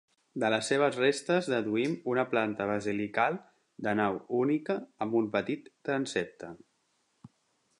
De les seves restes deduïm una planta basilical de nau única amb un petit transsepte.